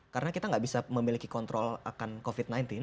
karena kita gak bisa memiliki kontrol akan covid sembilan belas